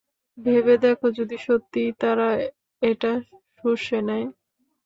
ভেবে দেখো, যদি সত্যিই তারা এটা শুষে নেয়।